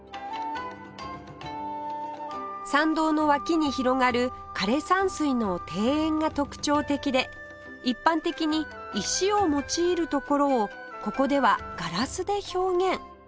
参道の脇に広がる枯山水の庭園が特徴的で一般的に石を用いるところをここではガラスで表現